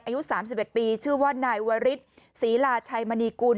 อายุสามสิบเอ็ดปีชื่อว่านายวริทศีลาชัยมณีคุล